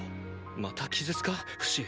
また気絶かフシ？